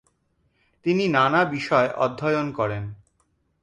তিনি নানা বিষয় অধ্যয়ন করেন।